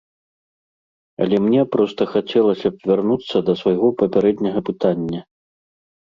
Але мне проста хацелася б вярнуцца да свайго папярэдняга пытання.